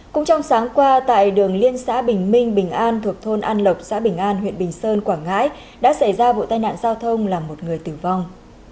cũng trong sáng qua tại đường liên xã bình minh bình an thuộc thôn an lộc xã bình an huyện bình sơn quảng ngãi đã xảy ra vụ tai nạn giao thông làm một người tử vong